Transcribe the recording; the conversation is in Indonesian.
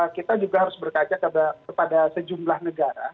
kita juga harus berkaca kepada sejumlah negara